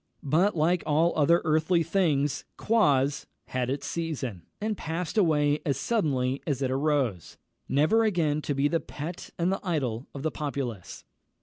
But, like all other earthly things, Quoz had its season, and passed away as suddenly as it arose, never again to be the pet and the idol of the populace.